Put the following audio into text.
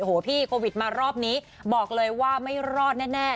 โอ้โหพี่โควิดมารอบนี้บอกเลยว่าไม่รอดแน่